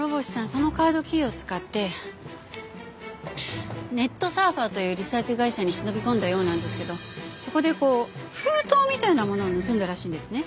そのカードキーを使ってネットサーファーというリサーチ会社に忍び込んだようなんですけどそこでこう封筒みたいなものを盗んだらしいんですね。